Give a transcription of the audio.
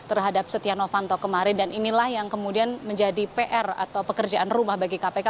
yang berada dalam dakwaan kpk terhadap setia novanto kemarin dan inilah yang kemudian menjadi pr atau pekerjaan rumah bagi kpk